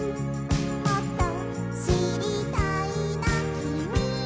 「もっとしりたいなきみのこと」